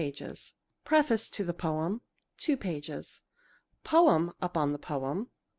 6 " Preface to the poem ....... 2 " Poem upon the poem